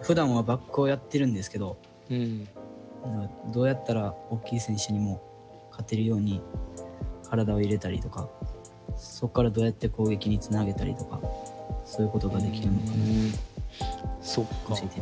ふだんはバックをやってるんですけどどうやったら大きい選手にも勝てるように体を入れたりとかそこからどうやって攻撃につなげたりとかそういうことができるのか教えて頂きたいです。